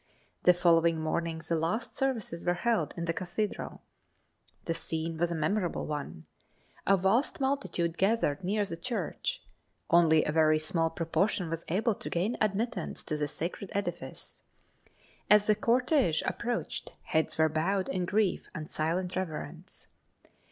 The following morning the last services were held in the Cathedral. The scene was a memorable one. A vast multitude gathered near the church; only a very small proportion was able to gain admittance to the sacred edifice. As the cortege approached heads were bowed in grief and silent reverence.